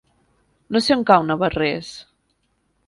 No sé on cau Navarrés.